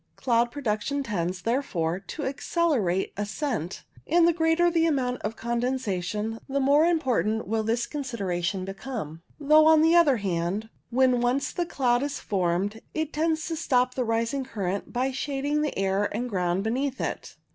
Cloud production tends, therefore, to accelerate ascent, and the greater the amount of condensation, the more important will this consideration become ; though, on the other hand, when once the cloud is formed, it tends to stop the rising current by shading the air and ground beneath it.